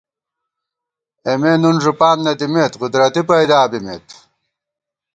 اېمے نُن ݫُپان نہ دِمېت ، قدرتی پئیدِیا بِمېت